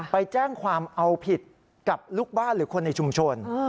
ไปแจ้งความเอาผิดกับลูกบ้านหรือคนในชุมชน